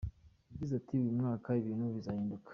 Yagize ati “Uyu mwaka ibintu bizahinduka.